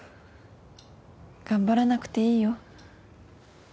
頑張らなくていいよ。